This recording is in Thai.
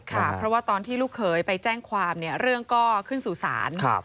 เพราะว่าตอนที่ลูกเขยไปแจ้งความเนี่ยเรื่องก็ขึ้นสู่ศาล